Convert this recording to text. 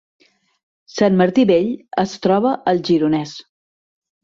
Sant Martí Vell es troba al Gironès